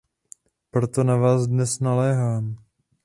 Proto na vás dnes naléhám.